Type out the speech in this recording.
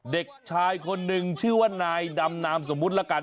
เด็กชายคนหนึ่งชื่อว่านายดำนามสมมุติละกัน